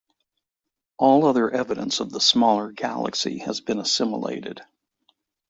All other evidence of the smaller galaxy has been assimilated.